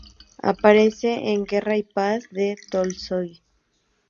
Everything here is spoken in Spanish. Aparece en "Guerra y paz", de Tolstoi.